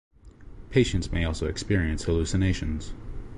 Patients may also experience hallucinations.